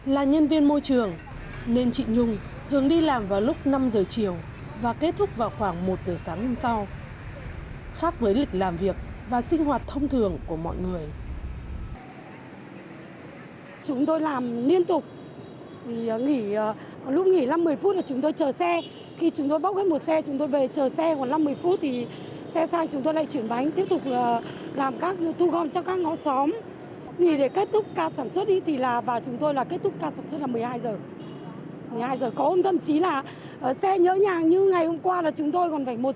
là nhân viên môi trường nên chị nhung thường đi làm vào lúc năm giờ chiều và kết thúc vào khoảng một giờ sáng hôm sau khác với lịch làm việc và sinh hoạt thông thường của mọi người